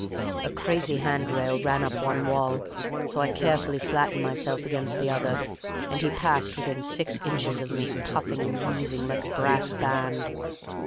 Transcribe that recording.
A crazy hand rail ran up one wall, so I carefully flattened myself against the other, and he passed within six inches of me, puffing and wheezing like a brass band.